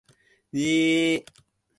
茨城県へ行く